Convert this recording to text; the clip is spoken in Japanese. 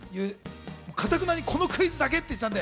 かたくなにこのクイズだけと言っていたのね。